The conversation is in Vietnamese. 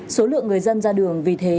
số lượng người dân ra đường vì thế